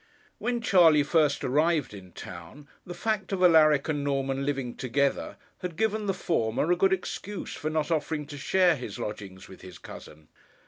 When Charley first arrived in town, the fact of Alaric and Norman living together had given the former a good excuse for not offering to share his lodgings with his cousin.